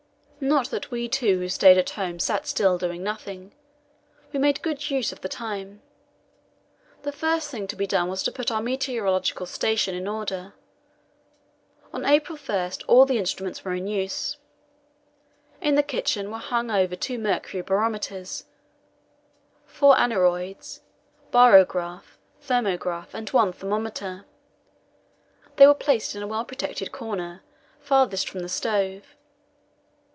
Not that we two who stayed at home sat still doing nothing. We made good use of the time. The first thing to be done was to put our meteorological station in order. On April 1 all the instruments were in use. In the kitchen were hung our two mercury barometers, four aneroids, barograph, thermograph, and one thermometer. They were placed in a well protected corner, farthest from the stove.